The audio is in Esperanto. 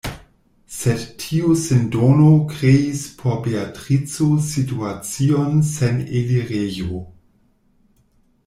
Sed tiu sindono kreis por Beatrico situacion sen elirejo.